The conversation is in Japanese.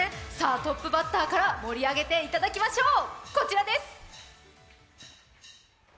トップバッターから盛り上げていただきましょう！